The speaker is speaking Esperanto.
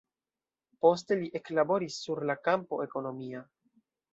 Poste li eklaboris sur la kampo ekonomia.